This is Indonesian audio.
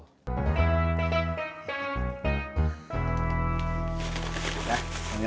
ya selamat malam ya